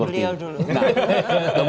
tingnya beliau dulu